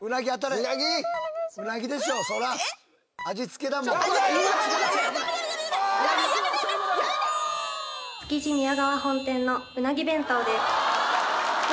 「つきじ宮川本廛」のうなぎ弁当です。